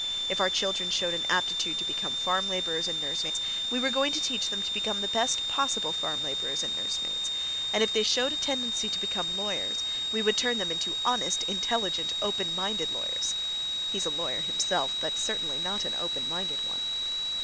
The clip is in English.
If our children showed an aptitude to become farm laborers and nurse maids, we were going to teach them to be the best possible farm laborers and nurse maids; and if they showed a tendency to become lawyers, we would turn them into honest, intelligent, open minded lawyers. (He's a lawyer himself, but certainly not an open minded one.)